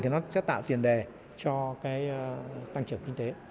thì nó sẽ tạo tiền đề cho cái tăng trưởng kinh tế